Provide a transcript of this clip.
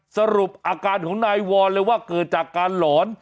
สรุปอาการของนายวรเลยว่าเกิดจากการหลอน